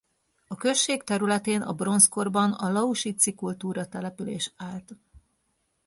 A község területén a bronzkorban a lausitzi kultúra település állt.